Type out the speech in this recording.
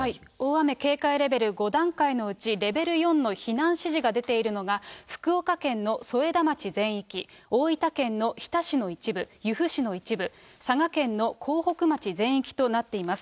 大雨警戒レベル５段階のうちレベル４の避難指示が出ているのが福岡県の添田町全域、大分県の日田市の一部、由布市の一部、佐賀県の江北町全域となっています。